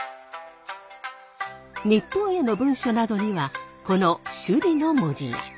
日本への文書などにはこの首里の文字が。